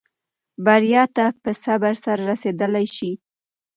بریا ته په صبر سره رسېدلای شې.